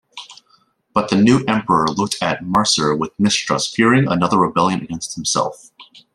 But the new emperor looked at Macer with mistrust, fearing another rebellion against himself.